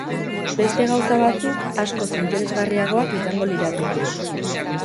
Beste gauza batzuk askoz interesgarriagoak izango lirateke.